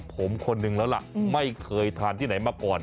ผมคนนึงแล้วล่ะไม่เคยทานที่ไหนมาก่อน